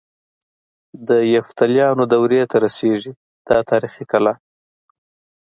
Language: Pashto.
د یفتلیانو دورې ته رسيږي دا تاریخي کلا.